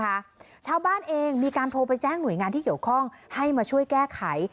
ชาวบ้านเองมีการโทรไปแจ้งหน่วยงานที่เกี่ยวข้องให้มาช่วยแก้ไข